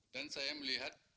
dan saya melihat